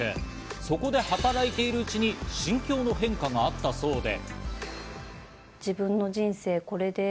そこで働いているうちに心境の変化があったそうで。